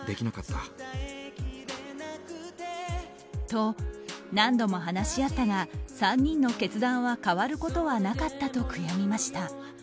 と、何度も話し合ったが３人の決断は変わることはなかったと悔やみました。